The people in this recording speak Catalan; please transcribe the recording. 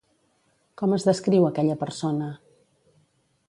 Com es descriu aquella persona?